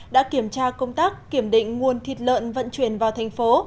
đã kiểm tra công tác kiểm định nguồn thịt lợn vận chuyển vào thành phố